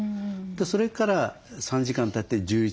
それから３時間たって１１時に寝ると。